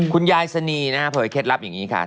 คุณยายสนีนะฮะเผยเคล็ดลับอย่างนี้ค่ะ